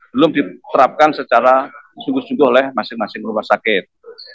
belum diterapkan secara sungguh sungguh oleh masing masing rumah sakit